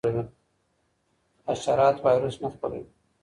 حشرات وایرس نه خپروي.